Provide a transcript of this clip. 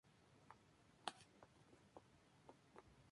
Fue director general de Aviación Civil y Procurador en Cortes.